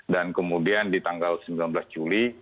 dan kemudian di tanggal sembilan belas juli